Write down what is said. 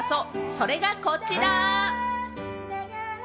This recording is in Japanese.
それがこちら！